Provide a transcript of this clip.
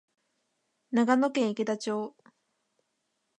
長野県池田町